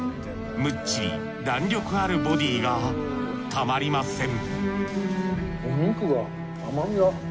むっちり弾力あるボディがたまりません